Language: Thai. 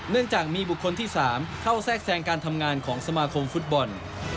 เนื่องจากมีบุคคลที่๓เข้าแทรกแทรงการทำงานของสมาคมฟุตบอล